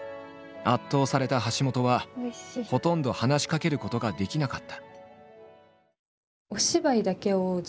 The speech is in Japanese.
圧倒された橋本はほとんど話しかけることができなかった。